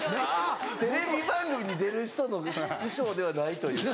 テレビ番組に出る人の衣装ではないというか。